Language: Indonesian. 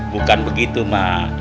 bukan begitu mak